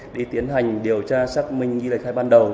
đi tiến hành điều tra xác minh như lời khai ban đầu